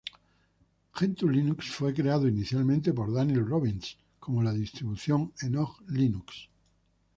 Gentoo Linux fue creado inicialmente por Daniel Robbins como la distribución Enoch Linux.